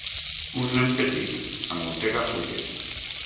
Un nen petit amuntega fulles.